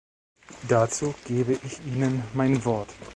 Dazu gebe ich Ihnen mein Wort.